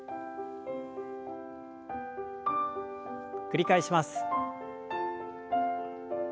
繰り返します。